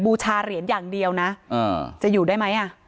บูชาเหรียญอย่างเดียวนะจะอยู่ได้ไหมอ่ะ